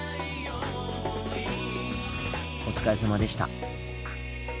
お疲れさまでした。